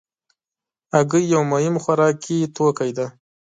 هګۍ یو مهم خوراکي توکی دی.